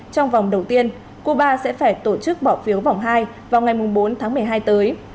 trong vòng đầu tiên cuba sẽ phải tổ chức bỏ phiếu vòng hai vào ngày bốn tháng một mươi hai tới